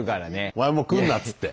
「お前もう来んな」っつって。